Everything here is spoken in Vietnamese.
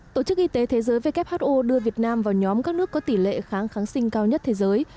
tổ chức y tế thế giới who đưa việt nam vào nhóm các nước có tỷ lệ kháng kháng sinh cao nhất thế giới